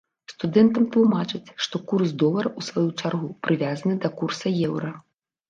Студэнтам тлумачаць, што курс долара, у сваю чаргу, прывязаны да курса еўра.